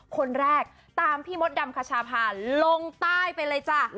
คนแรกตามพี่มดดำคชาพาลงใต้ไปเลยจ้ะ